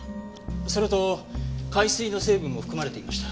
それと海水の成分も含まれていました。